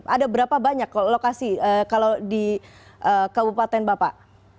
ada berapa banyak lokasi kalau di kabupaten bapak